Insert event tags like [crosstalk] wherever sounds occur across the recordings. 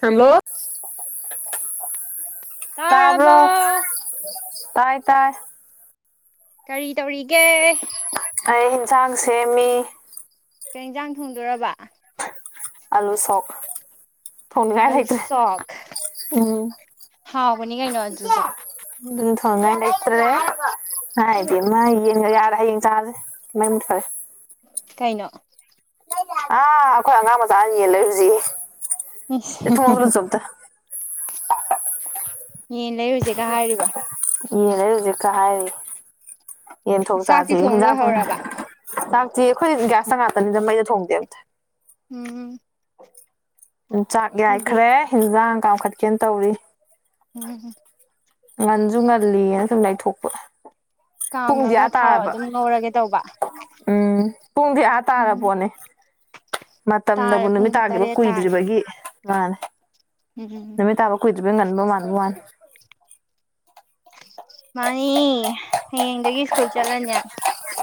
hello ꯇꯕ ꯆꯥꯔꯕꯣ ꯇꯥꯏ ꯇꯥꯏ ꯀꯔꯤ ꯇꯧꯔꯤꯒꯦ ꯍꯩ ꯑꯦꯟꯁꯥꯡ ꯁꯦꯝꯃꯤ ꯀ ꯏꯟꯖꯥꯡ ꯊꯣꯡꯗꯣꯏꯔꯕ ꯑꯂꯨ ꯁꯣ ꯑꯗꯨ ꯁꯈ ꯎꯝ ꯍꯥꯎꯕꯅꯤ ꯀꯩꯅꯣ ꯑꯗꯨꯁꯨ ꯑꯗꯨ ꯊꯉꯇ꯭ꯔꯦ ꯍꯥꯏꯗꯤ ꯃ ꯌꯦꯡ ꯌꯥꯔ ꯌꯦꯡ ꯇꯥ꯭ꯔꯦ ꯃꯔꯦ ꯀꯩꯅꯣ ꯑꯥ ꯑꯩꯈꯣꯏ ꯑꯉꯥꯡ ꯃꯆꯥꯅ ꯌꯦꯟ ꯂꯩꯨꯁꯤ [unintelligible] [unintelligible] ꯌꯦꯟ ꯂꯩꯔꯨꯁꯦꯒ ꯍꯥꯏꯔꯤꯕ ꯌꯦꯡ ꯂꯩ ꯍꯧꯖꯤꯛꯀ ꯍꯥꯏꯔꯤ ꯌꯦꯟ ꯊꯣꯛꯇꯖꯤꯖ ꯆꯥꯛꯇꯤ ꯊꯣꯡ ꯂꯣꯏꯍꯧꯔꯕ ꯁꯤꯤ ꯑꯩꯈꯣꯏ ꯒ꯭ꯌꯥꯁꯇ ꯉꯥꯛꯇꯅꯤꯅ ꯃꯩꯗ ꯊꯣꯡꯗꯦ ꯑꯝꯇ ꯎꯝ ꯎ ꯆꯥꯛ ꯑꯩꯈꯣꯏꯗꯤ ꯌꯥꯏꯈ꯭ꯔꯦ ꯍꯟꯖꯥꯡ ꯀꯥꯈꯠꯀꯦꯅ ꯇꯧꯔꯤ ꯎꯝ ꯉꯟꯁꯨ ꯉꯜꯂꯤꯅ ꯁꯨꯝ ꯂꯩꯊꯣꯛꯄ ꯄꯨꯡꯗꯤ ꯀꯥꯝꯃꯒ ꯑꯥ ꯊꯥꯎ ꯇꯥꯔꯕ ꯑꯗꯨꯝ ꯉꯧꯔꯒꯦ ꯇꯧꯕ ꯎꯝ ꯄꯨꯡꯗꯤ ꯑꯥ ꯎꯝ ꯇꯥꯔꯕꯣꯠꯅꯦ ꯃꯇꯝꯗꯕꯨ ꯇꯥꯔꯦ ꯅꯨꯃꯤꯠ ꯄꯨꯡ ꯇꯥꯈꯤꯕ ꯇꯔꯦꯠ ꯇꯥꯔꯦ ꯀꯨꯏꯗ꯭ꯔꯤꯕꯒꯤ ꯃꯥꯅꯦ ꯎꯝ ꯑꯗꯨ ꯉꯟꯕ ꯃꯟꯕꯟ ꯃꯥꯅꯤ ꯍꯌꯦꯡꯗꯒꯤ ꯁ꯭ꯀꯨꯜ ꯆꯠꯂꯅꯤ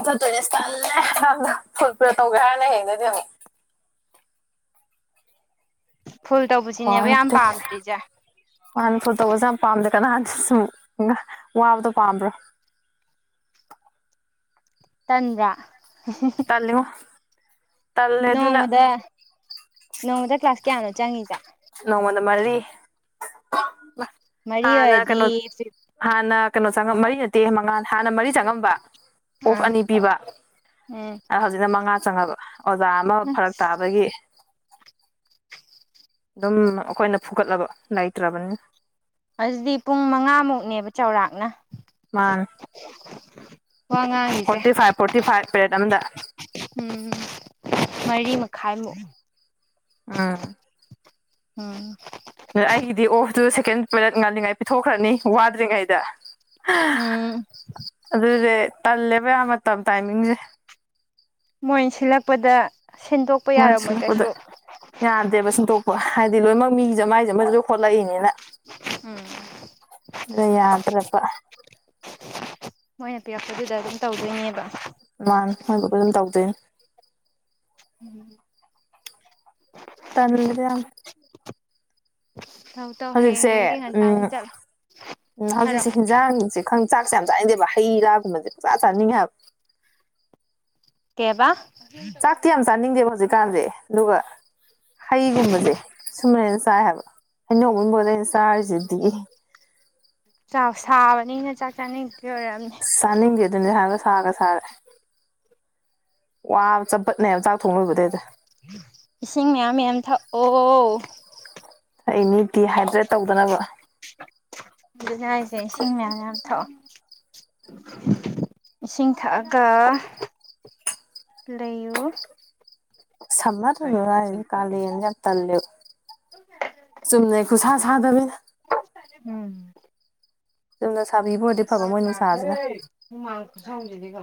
ꯆꯠꯇꯣꯏꯅꯦꯜꯂꯦ ꯇꯧꯒꯦ꯭ꯔ ꯍꯥꯏꯅ ꯍꯌꯦꯗꯗꯤ ꯑꯃꯨꯛ [unintelligible] ꯐꯨꯜ ꯀ꯭ꯋꯥ ꯇꯧꯕꯁꯤꯅꯦꯕ ꯌꯥꯝ ꯄꯥꯝꯗ꯭ꯔꯤꯁꯦ ꯋꯥꯅꯤ ꯐꯣ ꯇꯧꯕꯖ ꯌꯥꯝ ꯄꯝꯗ ꯀꯅ ꯁꯨꯝ ꯋꯥꯕꯗꯣ ꯄꯥꯝꯕ꯭ꯔꯣ ꯇꯟꯗ꯭ꯔꯥ ꯇꯂꯃ ꯅꯣꯡꯃꯗ ꯅꯣꯡꯃꯗ ꯀ꯭ꯂꯥꯁ ꯀꯌꯥꯅꯣ ꯆꯪꯉꯁꯦ ꯅꯣꯡꯉꯣꯟꯗ ꯃꯔꯤ ꯃꯔꯤ ꯍꯥꯟꯅ ꯑꯣꯏꯔꯗꯤ ꯀꯩꯅꯣ ꯍꯥꯟꯅ ꯀꯩꯅꯣ ꯆꯪꯉ ꯃꯔꯤ ꯅꯠꯇꯦ ꯃꯉꯥ ꯍꯥꯟꯅ ꯃꯔꯤ ꯆꯪꯉꯝꯕ ꯑꯣꯐ ꯑꯥ ꯑꯅꯤ ꯄꯤꯕ ꯎꯝ ꯑꯗ ꯍꯧꯖꯤꯛꯅ ꯃꯉꯥ ꯆꯪꯉꯕ ꯑꯣꯖꯥ ꯑꯃ ꯐꯔꯛ ꯑꯁ ꯇꯥꯕꯒꯤ ꯑꯗꯨꯝ ꯑꯩꯈꯣꯏꯅ ꯐꯨꯒꯠꯂꯕ ꯂꯩꯇ꯭ꯔꯕꯅꯤ ꯑꯗꯨꯗꯤ ꯄꯨꯡ ꯃꯉꯥꯃꯨꯛꯅꯦꯕ ꯆꯥꯎꯧꯔꯥꯛꯅ ꯃꯥꯥꯡ ꯋꯥ ꯉꯥꯡꯉꯤꯁꯦ ꯐꯥꯏꯚ ꯄꯦꯔꯦꯠ ꯑꯃꯗ ꯎꯝ ꯃꯔꯤ ꯃꯈꯥꯏꯃꯨꯛꯏ ꯑꯝ ꯑꯣꯝ ꯆꯤꯛꯀꯦꯟ ꯄ꯭ꯂꯦꯠꯥꯜꯂꯤꯉꯥꯏ ꯄꯤꯊꯣꯛꯈ꯭ꯔꯅꯤ ꯋꯥꯗ꯭ꯔꯤꯉꯩꯗ ꯎꯝ ꯑꯗꯨꯗꯦ ꯇꯂꯦꯕ ꯌꯥꯝ ꯃꯇꯝ ꯃꯇꯝ ꯇꯥꯏꯃꯤꯡꯁꯦ ꯃꯣꯏ ꯁꯤꯜꯂꯛꯄꯗ ꯁꯤꯟꯗꯣꯛꯄ ꯃꯣꯏ ꯌꯥꯔꯝꯃꯣꯏ ꯁꯤꯜꯂꯛꯄꯗ ꯀꯩꯁꯨ ꯌꯥꯗꯦꯕ ꯁꯤꯟꯇꯣꯛꯄ ꯍꯥꯏꯗꯤ ꯂꯣꯏꯅꯃꯛ ꯃꯤ ꯃꯥꯏꯁꯦꯁꯨ ꯈꯣꯠꯂꯛꯏꯅꯤꯅ ꯎꯝ ꯑ ꯌꯥꯗ꯭ꯔꯄ ꯃꯣꯏꯅ ꯄꯤꯔꯛꯄꯗꯨꯗ ꯑꯗꯨꯝ ꯇꯧꯗꯣꯏꯅꯦꯕ ꯃꯥꯥꯟ ꯃꯣꯏꯕꯕꯨ ꯑꯗꯨꯝ ꯇꯧꯖꯣꯏ ꯎꯝ ꯇꯜꯗ ꯌꯥꯝ ꯇꯧ ꯇꯧ ꯍꯦ ꯍꯧꯖꯤꯛꯁꯦ ꯅꯟ ꯇꯥꯟ ꯆꯂ ꯎꯝ ꯍꯧꯖꯤꯛꯁꯦ ꯍꯟꯖꯥꯡꯁꯦ ꯈ ꯆꯥꯛꯁꯦ ꯌꯥꯝ ꯆꯥꯗꯦꯕ ꯍꯩ ꯔꯥ ꯁꯦ ꯆꯥ ꯆꯥꯅꯤꯡꯉꯥꯏꯕ ꯀꯦꯕ ꯆꯥꯛꯇꯤ ꯌꯥꯝ ꯆꯥꯅꯤꯡꯗꯦꯕ ꯍꯧꯖꯤꯛꯀꯥꯟꯁꯦ ꯑꯗꯨꯒ ꯍꯩꯒꯨꯝꯕꯁꯦ ꯁꯨꯝ ꯆꯥꯏ ꯍꯥꯏꯕ ꯑꯩꯅꯣꯡꯃꯕꯗ ꯑꯩꯅ ꯆꯥꯔꯤꯁꯤꯗꯤ ꯁꯥꯕꯅꯤꯅ ꯆꯥꯛ ꯆꯥꯅꯤꯡꯩ ꯁꯅꯤꯡꯦꯗꯅꯦ ꯍꯥꯏ ꯁꯥꯒ ꯁꯥꯔꯦ ꯋꯥꯕ ꯆꯄꯠꯅꯦꯕ ꯆꯥꯛ ꯊꯣꯡꯡꯂꯨꯕꯗꯩꯗ ꯏꯁꯤꯡ ꯃꯌꯥꯝ ꯌꯥꯝ ꯊꯛꯑꯣ ꯑꯩꯅꯤ ꯗꯤꯍꯥꯏꯗ꯭ꯔꯦꯠ ꯇꯧꯗꯅꯕ ꯖ ꯍꯥꯏꯁꯦ ꯏꯁꯤꯡ ꯃꯌꯥꯝ ꯌꯥꯝ ꯊꯛꯑꯣ ꯏꯁꯤꯡ ꯊꯛꯑꯒ ꯂꯩꯌꯨ ꯁꯝꯃꯗꯅ ꯍꯥꯏꯗꯤ ꯀꯥꯂꯅ ꯆ ꯇꯜꯂꯦ ꯆꯨꯝꯅ ꯈꯨ ꯁꯥ ꯊꯥꯗꯕꯤ ꯎꯝ ꯆꯨꯝꯅ ꯁꯥꯕꯤꯕ ꯑꯣꯏꯔꯗꯤ ꯐꯕ ꯃꯣꯏ ꯅꯨꯡꯁꯥꯁꯤꯅ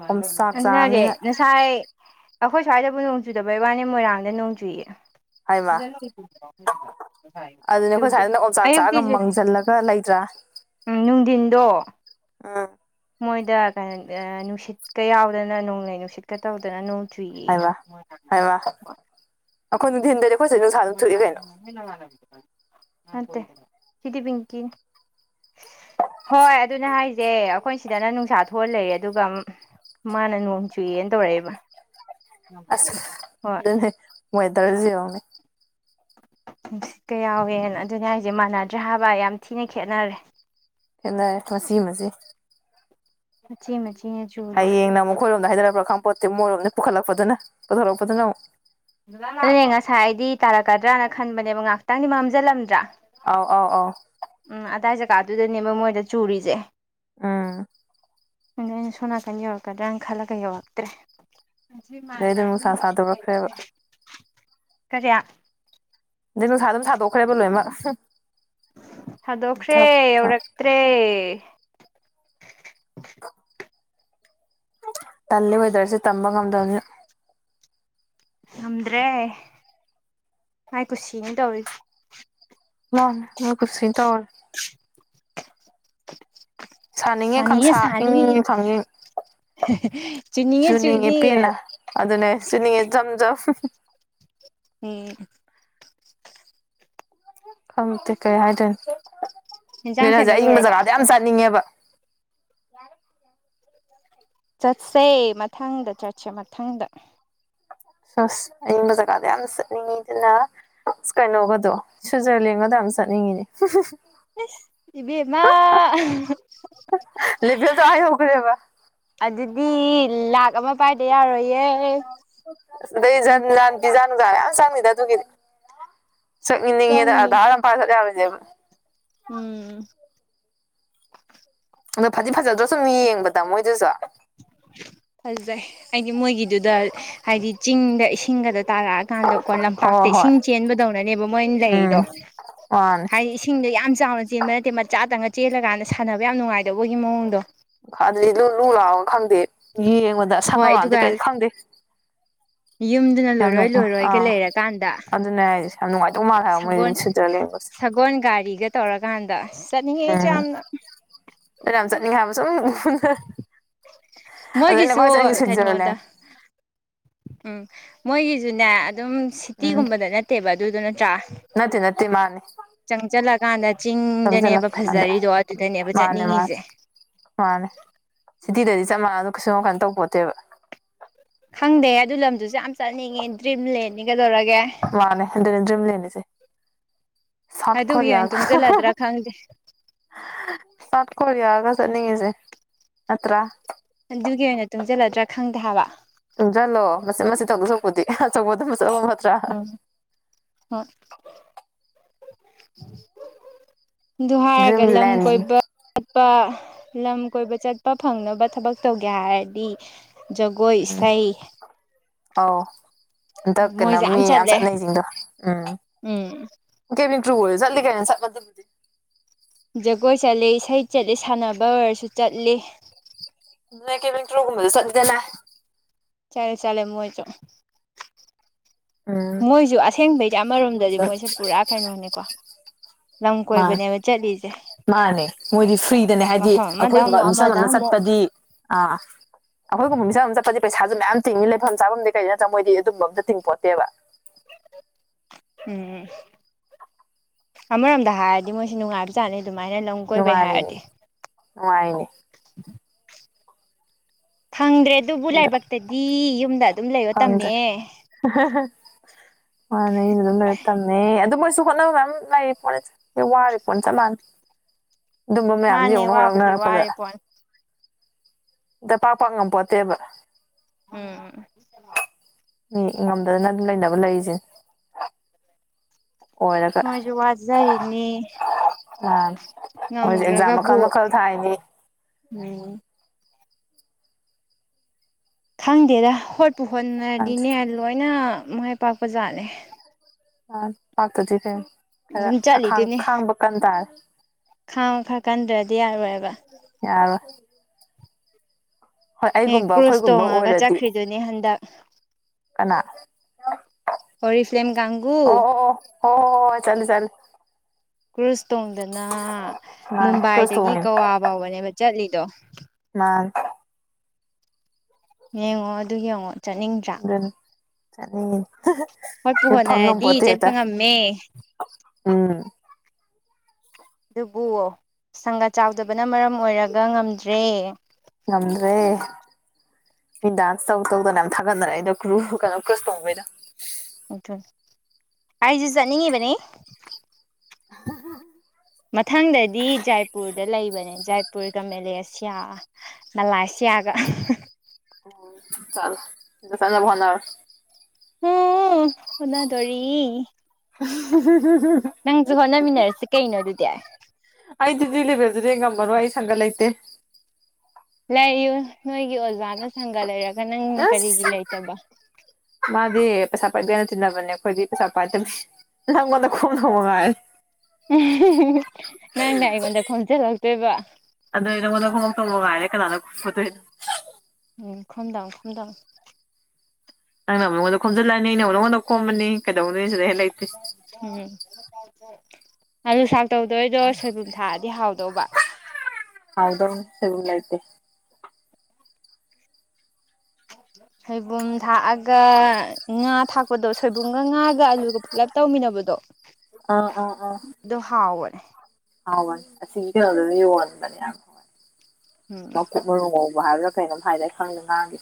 ꯑꯣꯝꯆꯥꯛ ꯆꯥꯕꯅꯤꯅ ꯑꯗꯨꯅꯁꯦꯁꯥ ꯑꯩꯈꯣꯏ ꯁ꯭ꯋꯥꯏꯗꯕꯨ ꯅꯣꯡ ꯆꯨꯗꯕꯩ ꯋꯥꯅꯤ ꯃꯣꯏꯔꯥꯡꯗ ꯅꯣꯡ ꯆꯨꯏꯌꯦ ꯍꯥꯏꯃ ꯑꯗꯨꯅꯦ ꯑꯩꯈꯣꯏ ꯆꯨꯗꯦ ꯁ꯭ꯋꯥꯏꯗ ꯅ ꯌꯣꯡꯆꯥꯛ ꯆꯥꯛꯒ ꯑꯌꯨꯛꯇꯤ ꯆꯨꯏ ꯃꯥꯡꯁꯤꯜꯂꯒ ꯂꯩꯇ꯭ꯔꯥ ꯑ ꯎꯝ ꯅꯨꯡꯊꯤꯟꯗꯣ ꯃꯣꯏꯗ ꯀꯩꯅꯣ ꯅꯨꯡꯁꯤꯠꯀ ꯌꯥꯎꯗꯅ ꯅꯣꯡꯂꯩ ꯅꯨꯡꯁꯤꯠꯀ ꯇꯧꯗꯅ ꯎ ꯍꯥꯏꯕ ꯑꯩꯈꯣꯏꯗꯤꯦꯟꯗ ꯍꯇ ꯀꯗꯤꯕꯤꯡ ꯀ [unintelligible] ꯍꯣꯏ ꯑꯗꯨꯅ ꯍꯥꯏꯁꯦ ꯑꯩꯈꯣꯏ ꯁꯤꯗꯅ ꯅꯨꯡꯁꯥ ꯊꯣꯛꯍꯜ ꯂꯩꯔꯦ ꯑꯗꯨꯒ ꯃꯥꯅ ꯅꯣꯡ ꯆꯨꯏꯦꯅ ꯇꯧꯔꯛꯑꯦꯕ ꯑꯁ ꯑꯗꯨꯅꯦ ꯃꯣꯏꯗꯔꯁꯤꯎꯅꯦ ꯁꯤꯠꯀ ꯌꯥꯎꯋꯦꯅ ꯑꯗꯨꯅꯦ ꯍꯥꯏꯁꯦ ꯃꯥꯟꯅꯗ꯭ꯔꯦ ꯍꯥꯏꯕ ꯌꯥꯝ ꯊꯤꯅ ꯈꯦꯅꯔꯦ ꯍꯅꯦ ꯃꯁꯤꯃꯁꯦ ꯃꯆꯤ ꯃꯆ ꯍꯌꯦꯡꯅ ꯑꯃꯨꯛ ꯃꯈꯣꯏꯔꯣꯝꯗ ꯍꯥꯏꯅꯔꯛꯄ꯭ꯔꯥ ꯈꯥꯄꯣꯠꯇꯤ ꯃꯣꯏꯔꯣꯝꯅ ꯄꯨꯈꯠꯂꯛꯄꯗꯨꯅ ꯄꯨꯊꯣꯔꯛꯄꯗꯨꯅ ꯑꯃꯨꯛ ꯑꯗꯨꯅꯦ ꯉꯁꯥꯏ ꯑꯩꯗꯤ ꯇꯥꯔꯛꯀꯗ꯭ꯔꯅ ꯈꯟꯕꯅꯦꯕ ꯉꯥꯏꯍꯥꯛꯇꯪꯗꯤ ꯃꯝꯁꯤꯜꯂꯝꯗ꯭ꯔꯥ ꯑꯥꯎ ꯑꯥꯎ ꯑꯥꯎ ꯆꯥꯗꯨꯨꯗꯅꯦꯕ ꯃꯣꯏꯗ ꯆꯨꯔꯤꯁꯦ ꯑꯝ ꯁꯣꯅꯥ ꯀ ꯌꯧ ꯀꯗ꯭ꯔ ꯑꯪꯈꯥꯂꯒꯥꯏ ꯌꯧ ꯋꯥꯛꯇ꯭ꯔꯦ ꯃꯥꯟ ꯑꯗꯩ ꯑꯗꯨꯝ ꯅꯨꯡꯁꯥ [inaudible] ꯀꯔꯤꯌꯥ ꯑꯗꯩ ꯅꯨꯡꯁꯥ ꯑꯗꯨꯝ ꯁꯥꯗꯣꯛꯈ꯭ꯔꯦꯕ ꯂꯣꯏꯅꯃꯛ ꯊꯥꯗꯣꯛꯈ꯭ꯔꯦ ꯌꯧꯔꯛꯇ꯭ꯔꯦ ꯇꯜꯂꯤ ꯋꯦꯗꯔꯁꯦ ꯇꯝꯕ ꯉꯝꯗꯕꯅꯤ ꯉꯝꯗ꯭ꯔꯦ ꯉꯥꯏ ꯀꯨꯁꯤꯅ ꯇꯧꯔꯤ ꯃꯥ ꯃ ꯀꯁꯤ ꯇꯔ ꯁꯥꯅꯤꯡꯉꯦ ꯈꯪꯁꯥ ꯏꯪꯅꯤꯡꯉ ꯐꯪꯉ ꯆꯨꯅꯤꯡꯉꯦ ꯄꯦꯟꯅ ꯑꯗꯨꯅꯦ ꯆꯨꯅꯤꯡꯉꯦ ꯆꯝ ꯆꯝ ꯎꯝ ꯈꯪꯗꯦ ꯀꯩ ꯍꯥꯏꯗꯣꯏꯅꯣ ꯏꯟꯖꯥꯡ ꯅꯣꯏ ꯁꯦꯝꯕ ꯍꯧꯖꯤꯛ ꯑꯏꯪꯕ ꯂꯣꯏꯔꯕ ꯖꯒꯥꯗꯤ ꯌꯥꯝ ꯆꯠꯅꯤꯡꯉꯦꯕ ꯌꯥꯔꯦ ꯆꯠꯁꯦ ꯃꯊꯪꯗ ꯆꯠꯁꯦ ꯃꯊꯪꯗ ꯁꯁ ꯑꯏꯤꯡꯕ ꯖꯒꯥꯗꯥ ꯌꯥꯝ ꯆꯠꯅꯤꯡꯉꯤꯗꯅ ꯑꯁ ꯀꯩꯅꯣꯒꯗꯣ ꯁ꯭ꯋꯤꯖꯔꯂꯦꯟꯒꯗꯪ ꯆꯠꯅꯤꯡꯉꯤꯅꯦ ꯏꯁ ꯏꯕꯦꯝꯃ ꯍꯧꯒ꯭ꯔꯦꯕ ꯃꯤ ꯂꯥꯛ ꯑꯃ ꯄꯥꯏꯗ ꯌꯥꯔꯣꯏꯌꯦ ꯑꯗꯩ ꯖꯟ ꯖꯥꯟ ꯕꯤꯖꯥ ꯅꯨꯡꯖꯗ ꯌꯥꯝ ꯆꯥꯡꯅꯤꯗ ꯑꯗꯨꯒꯤꯗꯤ ꯆꯠꯅꯤꯡꯉꯦꯅ ꯆꯪꯅꯤ ꯑꯗꯥꯔ ꯑꯃ ꯄꯥꯏꯔ ꯆꯠꯄ ꯌꯥꯔꯣꯏꯗꯣꯏꯅꯦꯕ ꯎꯝ ꯑꯗꯣ ꯐꯗꯤ ꯐꯖꯗ꯭ꯔꯣ ꯁꯨꯝ ꯌꯦꯡꯕꯗ ꯃꯣꯏꯗꯨꯁꯨ ꯐꯖꯩ ꯑꯩꯗꯤ ꯃꯣꯏꯒꯤꯗꯨꯗ ꯍꯥꯏꯗꯤ ꯆꯤꯡꯗ ꯏꯁꯤꯡꯒꯗꯣ ꯇꯥꯔꯛ ꯑꯀꯥꯟꯗ ꯀꯣ ꯍꯣꯏ ꯂꯝꯄꯥꯛꯇ ꯍꯣꯏ ꯏꯁꯤꯡ ꯆꯦꯟꯕꯗꯧꯅꯅꯦꯕ ꯃꯣꯏꯅ ꯂꯩꯗꯣ ꯎꯝ ꯃꯥꯅꯦ ꯍꯥꯏꯗꯤ ꯏꯁꯤꯡꯗꯣ ꯌꯥꯝ ꯆꯥꯎꯅ ꯆꯦꯟꯕ ꯅꯠꯇꯦ ꯃꯆꯥꯇꯪꯒ ꯆꯦꯜꯂꯀꯥꯟꯗ ꯁꯥꯟꯅꯕ ꯌꯥꯝ ꯅꯨꯡꯉꯥꯏꯗꯕꯧꯕꯒꯤ ꯃꯑꯣꯡꯗꯣ ꯑꯗꯨꯗꯤ ꯂꯨ ꯂꯨ ꯂꯥꯎꯔꯒ ꯈꯪꯗꯦ ꯌꯦꯡꯕꯗ ꯑꯁꯪ ꯍꯣꯏ ꯑꯃꯥꯟꯗꯤ ꯑꯗꯨꯒ ꯀꯩꯗꯤ ꯈꯪꯗꯦ ꯌꯨꯝꯗꯨꯅ ꯌꯥꯝ ꯂꯣꯏꯔꯣꯏ ꯅꯨꯡ ꯂꯣꯏꯔꯣꯏꯒ ꯑꯥ ꯂꯩꯔꯀꯥꯟꯗ ꯑꯗꯨꯅꯦ ꯍꯥꯏꯁꯦ ꯌꯥꯝ ꯅꯨꯡꯉꯥꯏꯗꯧ ꯃꯥꯜꯂꯦ ꯍꯥꯏꯕ ꯁꯒꯣꯜ ꯃꯣꯏ ꯁ꯭ꯋꯤꯖꯔꯂꯦꯟꯒꯁꯦ ꯁꯒꯣꯜ ꯒꯥꯔꯤꯒ ꯇꯧꯔꯀꯥꯟꯗ ꯆꯠꯅꯤꯡꯉꯦ ꯑꯩꯁꯨ ꯎꯝ ꯌꯥꯝꯅ ꯌꯥꯝ ꯆꯠꯅꯤꯡꯉꯦ ꯍꯥꯏꯥꯕ ꯁꯨꯝ ꯑꯗꯨꯅꯦ ꯑꯩꯅ ꯃꯣꯏꯒꯤꯁꯨ ꯈꯋꯥꯏ ꯆꯠ ꯅꯤꯡꯉꯤꯁꯦ ꯁ꯭ꯋꯤꯖꯔꯂꯦꯟ ꯀꯩꯅꯣꯗ ꯎꯝ ꯃꯣꯏꯒꯤꯁꯨꯅꯦ ꯑꯗꯨꯝ ꯎꯝ ꯁꯤꯇꯤꯒꯨꯝꯕꯗ ꯅꯠꯇꯦꯕ ꯑꯗꯨꯗꯨꯅ ꯅꯠꯇꯦ ꯅꯠꯇꯦ ꯃꯥꯅꯦ ꯆꯪ ꯆꯂꯒꯥꯟꯗ ꯆꯤꯡꯗꯅꯦꯕ ꯆꯪꯁꯤꯜꯂꯛꯀꯥꯟꯗ ꯐꯖꯔꯤꯗꯣ ꯑꯗꯨꯗꯅꯦꯕ ꯃꯥꯅꯦ ꯃꯥꯅꯦ ꯆꯠꯅꯤꯡꯉꯤꯁꯦ ꯃꯥꯅꯦ ꯁꯤꯇꯤꯗꯗꯤ ꯆꯞ ꯃꯥꯟꯅꯗ ꯀꯩꯁꯨꯝ ꯌꯥꯝ ꯀꯥꯟ ꯇꯧ ꯄꯣꯠꯇꯦꯕ ꯈꯪꯗꯦ ꯑꯗꯨ ꯂꯝꯗꯨꯁꯨ ꯌꯥꯝ ꯆꯠꯅꯤꯡꯉꯦ ꯗ꯭ꯔꯤꯝꯂꯦꯟꯅꯤ ꯀꯩꯗꯧꯔ ꯃꯥꯅꯦ ꯑꯗꯨꯅꯦ ꯗ꯭ꯔꯤꯝꯂꯦꯟꯅꯤꯁꯦ ꯁꯥꯠ ꯑꯗꯨꯒꯤ ꯑꯣꯏꯅ ꯀꯣꯔꯤꯌꯥꯒ ꯇꯨꯡꯁꯤꯜꯂꯗ꯭ꯔꯥ ꯈꯪꯗꯦ ꯁꯥꯠ ꯀꯣꯔꯤꯌꯥꯒ ꯆꯡꯅꯤꯡꯉꯤꯖꯦ ꯅꯠꯇꯔꯥ ꯑꯗꯨꯒꯤ ꯑꯣꯏꯅ ꯇꯨꯡꯁꯤꯜꯂꯗ꯭ꯔꯥ ꯈꯪꯗꯦ ꯍꯥꯏꯕ ꯇꯨꯡꯖꯠꯂꯣ ꯃꯆꯤꯠ ꯃꯆꯤꯠ ꯇꯧꯗꯣꯏ ꯁꯔꯨꯛꯄꯨꯗꯤ ꯑꯆꯧꯕꯗꯣ ꯐꯠꯇ꯭ꯔꯥ ꯎꯝ ꯍꯣꯏ ꯑꯗꯨ ꯗ꯭ꯔꯤꯝ ꯍꯥꯏꯔꯒ ꯂꯝ ꯂꯦꯟ ꯀꯣꯏꯕ ꯆꯠꯄ ꯂꯝ ꯀꯣꯏꯕ ꯆꯠꯄ ꯐꯪꯅꯕ ꯊꯕꯛ ꯇꯧꯒꯦ ꯍꯥꯏꯔꯗꯤ ꯖꯒꯣꯏ ꯏꯁꯩ ꯑꯥꯎ ꯍꯟꯇꯛ ꯀꯩꯅꯣ ꯃꯣꯏꯁꯦ ꯃꯤ ꯌꯥꯝ ꯆꯠꯂꯦ ꯆꯠꯅꯩꯁꯤꯡꯗꯣ ꯎꯝ ꯎꯝ ꯀꯦꯕꯤꯟ ꯀ꯭ꯔꯨ ꯑꯣꯏꯁꯨ ꯆꯠꯂꯤ ꯀꯩꯅꯣ ꯆꯠꯄꯗꯨꯕꯨꯗꯤ ꯖꯒꯣꯏ ꯆꯠꯂꯤ ꯏꯁꯩ ꯆꯠꯂꯤ ꯁꯥꯟꯅꯕ ꯑꯣꯏꯔꯁꯨ ꯆꯠꯂꯤ ꯀꯦꯕꯟ ꯀ꯭ꯔꯨ ꯒꯨꯝꯕꯁꯧ ꯆꯠꯂꯤꯗꯅ ꯆꯂꯦ ꯆꯂꯦ ꯃꯣꯏꯖꯨ ꯎꯝ ꯃꯣꯏꯁꯨ ꯑꯁꯦꯡꯕꯩꯁ ꯑꯃꯔꯣꯝꯗꯗꯤ ꯃꯣꯏꯁꯨ ꯃꯣꯏꯁꯦ ꯄꯨꯔꯥ ꯀꯩꯅꯣꯅꯦꯀꯣ ꯂꯝ ꯃꯥ ꯀꯣꯏꯕꯅꯦꯕ ꯆꯠꯂꯤ ꯃꯥꯅꯦ ꯃꯣꯏꯗꯤ ꯐ꯭ꯔꯤꯗꯅꯦ ꯍꯥꯏꯗꯤ ꯃꯐꯝ ꯑꯃꯗ ꯑꯩꯈꯣꯏ ꯑꯃꯨꯛ ꯃꯤꯆꯝ ꯑꯃꯗ ꯑꯃꯅ ꯑꯃꯨꯛ ꯆꯠꯄꯗꯤ ꯑꯥ ꯑꯩꯈꯣꯏꯒꯨꯝꯕ ꯃꯤꯆꯝ ꯑꯃꯅ ꯆꯠꯄꯗꯤ ꯄꯩꯁꯥꯁꯨ ꯃꯌꯥꯝ ꯇꯤꯡꯉꯤ ꯂꯩꯐꯝ ꯆꯥꯐꯝꯗꯤ ꯀꯩꯗꯩ ꯅꯠꯇ꯭ꯔ ꯃꯣꯏꯗꯤ ꯑꯗꯨꯝꯕ ꯑꯝꯇ ꯇꯤꯡꯄꯣꯠꯇꯦꯕ ꯎꯝ ꯑꯃꯔꯣꯝꯗ ꯍꯥꯏꯔꯗꯤ ꯃꯣꯏꯁꯤ ꯅꯨꯡꯉꯥꯏꯕ ꯆꯥꯅꯤꯗ ꯑꯗꯨꯃꯥꯏꯅ ꯂꯝ ꯀꯣꯏꯕꯩ ꯅꯨꯡꯉꯥꯏꯔꯤꯅꯦ ꯍꯥꯏꯔꯗꯤ ꯅꯨꯡꯉꯥꯏꯅꯦ ꯄꯪꯗ꯭ꯔꯦ ꯑꯗꯨꯕꯨ ꯑꯗ ꯂꯥꯏꯕꯛꯇꯗꯤ ꯌꯨꯝꯗ ꯑꯗꯨꯝ ꯂꯩꯔꯣ ꯐꯪꯗ꯭ꯔꯦ ꯇꯝꯃꯦ ꯑꯩꯅ ꯂꯣꯏꯔ ꯇꯝꯃꯦ ꯑꯗꯨ ꯃꯣꯏ ꯁꯨ ꯈꯅ ꯑꯃ ꯂꯩ ꯐꯣ ꯋꯥꯔꯦ ꯐꯣꯟ ꯆ ꯃꯥꯅ ꯑꯗꯨꯝꯕ ꯃꯌꯥꯝꯗꯨꯣ ꯃꯥꯅꯦ ꯌꯧꯅ ꯋꯥꯕꯨꯗꯤ ꯍꯣꯔꯥꯎꯅꯔꯛꯄꯗ ꯋꯥꯔꯦ ꯄꯣꯠꯅꯤ ꯏ ꯄꯥꯄꯥꯉ ꯄꯠꯇꯦꯕ ꯎꯝ ꯎ ꯉꯗ ꯂꯗꯕ ꯂꯩꯁꯦ ꯃꯣꯏꯁꯨꯦ ꯋꯥꯠꯖꯔꯤꯅꯤ ꯑꯥ ꯃꯣꯏꯁꯦ ꯑꯦꯛꯖꯥꯝ ꯃꯈꯜ ꯃꯈꯜ ꯊꯥꯏꯅꯤ ꯎꯝ ꯈꯪꯗꯦꯗ ꯍꯣꯠꯄꯨ ꯈꯪꯗꯦ ꯍꯣꯠꯅꯔꯗꯤꯅꯦ ꯂꯣꯏꯅ ꯃꯥꯏ ꯄꯥꯛꯄꯖꯥꯠꯂꯦ ꯑ ꯄꯥꯛꯇꯗꯤ ꯀꯩꯅ ꯑꯗꯨꯝ ꯈꯔꯥꯡ ꯆꯠꯂꯤꯗꯨꯅꯤ ꯈꯥꯡꯕ ꯀꯟ ꯇꯥꯔꯦ ꯈꯥꯡꯕ ꯈꯔ ꯀꯟꯗ꯭ꯔꯗꯤ ꯌꯥꯔꯣꯏꯕ ꯌꯥꯔ ꯑꯦ ꯑꯩꯒꯨꯝꯕ ꯀ꯭ꯔꯨꯁ ꯑꯩꯈꯣꯏꯒꯨꯝꯕ ꯇꯣꯡꯉꯒ ꯑꯣꯏꯔꯗꯤ ꯆꯠꯈ꯭ꯔꯤꯗꯨꯅꯦ ꯍꯟꯗꯛ ꯀꯅꯥ ꯑꯣꯔꯤꯐ꯭ꯂꯦꯝ ꯑꯣ ꯀꯥꯡꯒꯨ ꯍ ꯍꯣ ꯆꯂ ꯆꯂ ꯀ꯭ꯔꯨꯁ ꯇꯣꯡꯗꯅ ꯃꯥꯅꯤ ꯀ꯭ꯔꯨꯁ ꯃꯨꯝꯕꯥꯏꯗꯒꯤ ꯒꯋꯥ ꯐꯥꯎꯕꯅꯦꯕ ꯆꯠꯂꯤꯗꯣ ꯃꯥ ꯌꯦꯡꯉꯣ ꯑꯗꯨꯒꯤ ꯌꯦꯡꯉꯣ ꯆꯠꯅꯤꯡꯗ꯭ꯔꯥ ꯑꯅꯤ ꯍꯣꯠꯄꯨ ꯍꯣꯠꯅꯔꯗꯤ ꯆꯠꯄ ꯉꯝꯃꯦ ꯎꯝ ꯑꯗꯨꯕꯨꯣ ꯁꯪꯒꯥ ꯆꯥꯎꯗ ꯅ ꯃꯔꯝ ꯑꯣꯏꯔꯒ ꯉꯝꯗ꯭ꯔꯦ ꯉꯝꯗ꯭ꯔꯦ ꯃꯤ ꯗꯥꯟꯁ ꯇꯧ ꯇꯧꯗꯅ ꯌꯥꯝ ꯊꯥꯒꯠꯗꯅꯦ ꯑꯩꯩꯅꯣ ꯀ꯭ꯔꯨ ꯀꯩꯅꯣ ꯀ꯭ꯔꯨꯁ ꯇꯣꯡꯕꯩꯗꯣ ꯎ ꯑꯩꯁꯤ ꯆꯠꯅꯤꯡꯉꯤꯕꯅꯦ [unintelligible] ꯃꯊꯪꯗꯗꯤ ꯖꯥꯏꯄꯨꯔꯗ ꯂꯩꯕꯅꯦ ꯖꯥꯏ ꯃꯅꯤꯄꯨꯔꯒ ꯃꯦꯂꯦꯁꯤꯌꯥ ꯃꯂꯥꯁꯤꯌꯥꯒ ꯑꯣ ꯆꯂ ꯁꯖ ꯐꯣꯅꯥꯔ ꯍꯅꯥꯗꯣꯔꯤ ꯅꯪꯁꯨ ꯍꯣꯠꯅꯃꯤꯟꯅꯔꯁꯤ ꯀꯩꯅꯣ ꯑꯗꯨꯗꯤ ꯑꯩꯗꯤ ꯂꯩꯕꯦꯜꯗꯨꯗꯤ ꯉꯝꯃꯔꯣ ꯑꯩ ꯁꯪꯒ ꯂꯩꯇꯦ ꯂꯩꯌꯨ ꯅꯣꯏꯒꯤ ꯑꯣꯖꯥꯅ ꯁꯪꯒ ꯂꯩꯔꯒ ꯅꯪꯅ ꯀꯔꯤꯒꯤ ꯑꯁ ꯂꯩꯇꯕ ꯃꯥꯗꯤ ꯄꯩꯁꯥ ꯄꯥꯏꯗꯦꯅ ꯇꯤꯟꯅꯕꯅꯦ ꯑꯩꯈꯣꯏꯗꯤ ꯄꯩꯁꯥ ꯄꯥꯏꯗꯕ ꯅꯪꯉꯣꯟꯗ ꯈꯣꯡ ꯍꯣꯡ ꯉꯥꯏ ꯅꯪ ꯅ ꯑꯩꯉꯗ ꯈꯣꯟꯆ ꯂꯥꯛꯇꯣꯏꯕ ꯃꯒꯥꯏꯔꯦ ꯀꯅꯥꯅꯗ ꯈꯝꯗꯥꯡ ꯈꯝꯗ ꯅꯪꯅ ꯃꯉꯣꯟꯗ ꯈꯣꯝꯖꯤꯜꯂꯑꯅꯤ ꯑꯩꯅ ꯑꯃꯛꯉꯣꯟꯗ ꯈꯣꯝꯃꯅꯤ ꯀꯩꯗꯧꯅꯤꯅꯤ ꯁꯤꯗ ꯍꯦꯛ ꯂꯩꯇ꯭ꯦ ꯑꯜꯂꯨ ꯁꯥꯛ ꯇꯧꯗꯣꯏꯗꯣ ꯁꯣꯏꯕꯨꯝ ꯊꯥꯑꯗꯤ ꯍꯥꯎꯗꯧꯕ ꯍꯥꯎꯗꯣ ꯁꯔꯂꯥꯏꯇ ꯁꯩꯕꯨꯝ ꯊꯥꯛꯑꯒ ꯉꯥ ꯊꯥꯛ ꯄꯣꯠꯇꯣ ꯁꯣꯏꯕꯨꯝꯒ ꯉꯥꯒ ꯑꯂꯨꯒ ꯄꯨꯂꯞ ꯇꯧꯃꯤꯟꯅꯕꯗꯣ ꯑꯥ ꯑ ꯑꯗꯣ ꯍꯥꯎꯕꯅꯦ ꯑ ꯍꯅꯤ ꯑꯁꯤꯒꯤ ꯀꯩꯅꯣꯗꯨꯁꯨ ꯌꯣꯟꯕꯅꯦ ꯌꯥꯝ ꯍ ꯎꯝ ꯃꯀꯨꯞ ꯃꯔꯨ ꯉꯧꯕ ꯍꯥꯏꯕ꯭ꯔꯥ ꯀꯩꯅꯣꯝ ꯍꯥꯏꯅ ꯊ ꯃꯥꯦ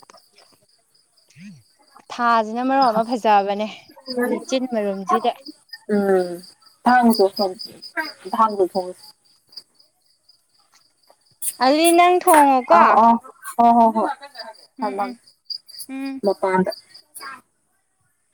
ꯍꯝ ꯁꯤꯅ ꯃꯔꯨꯞ ꯑꯃ ꯐꯖꯕꯅꯦ ꯂꯤꯆꯤꯟ ꯃꯔꯨ ꯎꯝ ꯊꯥꯡꯁꯨ ꯊ ꯊꯒ ꯊꯁ ꯑꯂꯤ ꯅꯪ ꯊꯣꯡꯉꯣꯀꯣ ꯍ ꯍꯣ ꯍꯣ ꯎꯝ ꯊꯃ ꯎꯝ ꯎꯝ ꯃꯄꯥꯟꯗ [unintelligible]